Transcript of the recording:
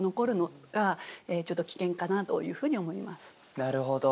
なるほど。